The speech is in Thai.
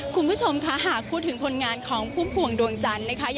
คุณผู้ชมค่ะหากพูดถึงผลงานของพุ่มพวงดวงจันทร์นะคะ